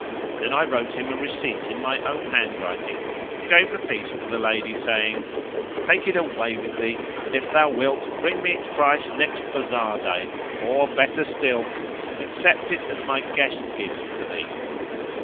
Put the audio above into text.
Then I wrote him a receipt in my own handwriting and gave the piece to the lady, saying, "Take it away with thee and, if thou wilt, bring me its price next bazar day; or better still, accept it as my guest gift to thee."